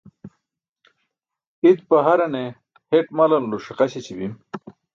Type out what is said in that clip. itpa harane heṭ malanulo ṣiqa śeći bim